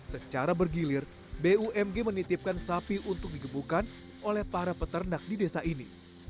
secara bergilir bumg menitipkan sapi untuk digebukan oleh para peternak di desa ini